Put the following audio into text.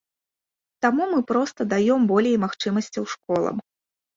Таму мы проста даём болей магчымасцяў школам.